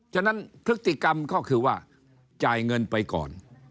ฉะนั้นพฤติกรรมก็คือว่าจ่ายเงินไปก่อน